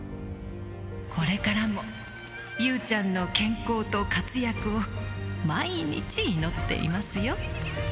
これからも勇ちゃんの健康と活躍を毎日、祈っていますよ。